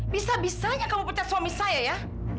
bisa bisanya kamu pecat suami saya ya